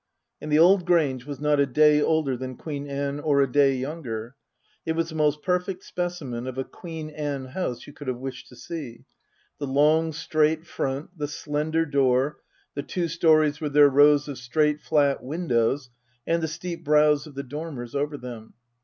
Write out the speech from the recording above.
And the Old Grange was not a day older than Queen Anne or a day younger. It was the most perfect specimen of a Queen Anne house you could have wished to see the long, straight front, the slender door, the two storeys with their rows of straight, flat windows and the steep brows of the dormers over them.